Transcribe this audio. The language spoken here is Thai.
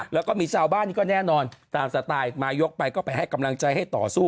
แล้วก็มีชาวบ้านนี้ก็แน่นอนตามสไตล์มายกไปก็ไปให้กำลังใจให้ต่อสู้